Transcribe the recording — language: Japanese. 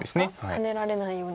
ハネられないように。